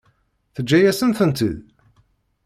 Teǧǧa-yasen-tent-id?